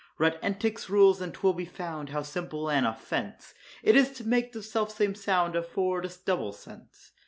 Read Entick's rules, and 'twill be found, how simple an offence It is to make the self same sound afford a double sense.